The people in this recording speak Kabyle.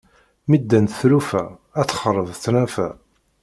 Mi d-ddant tlufa ad texreb tnafa.